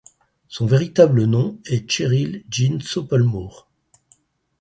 Son véritable nom est Cheryl Jean Stoppelmoor.